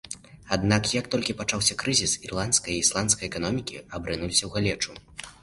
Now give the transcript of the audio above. Аднак, як толькі пачаўся крызіс, ірландская і ісландская эканомікі абрынуліся ў галечу.